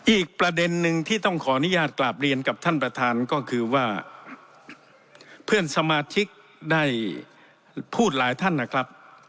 อีกประเด็นนึงที่ต้องขออนุญาตกราบเรียนกับท่านประธานก็คือว่าเพื่อนสมาชิกได้พูดหลายท่านนะครับ